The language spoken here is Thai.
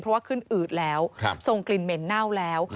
เพราะว่าขึ้นอืดแล้วส่งกลิ่นเหม็นเน่าแล้ว